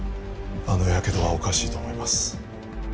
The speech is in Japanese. あのやけどはおかしいと思います